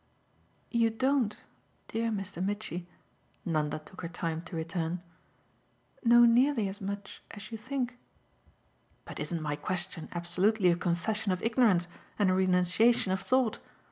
"You don't, dear Mr. Mitchy," Nanda took her time to return, "know nearly as much as you think." "But isn't my question absolutely a confession of ignorance and a renunciation of thought?